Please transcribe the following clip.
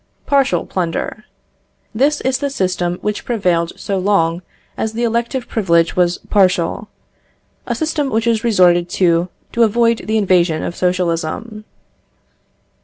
Partial plunder. This is the system which prevailed so long as the elective privilege was partial a system which is resorted to to avoid the invasion of socialism.